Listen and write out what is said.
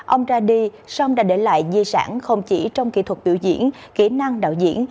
ông ra đi song đã để lại di sản không chỉ trong kỹ thuật biểu diễn kỹ năng đạo diễn